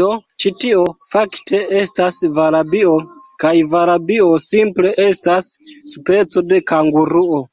Do, ĉi tio, fakte, estas valabio kaj valabio simple estas speco de kanguruo.